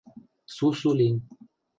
Сусу лин.